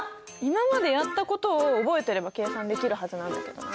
今までやったことを覚えてれば計算できるはずなんだけどな。